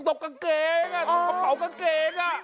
ตรงเปากะเกง